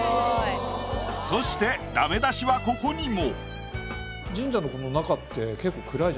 そしてダメ出しはここにも。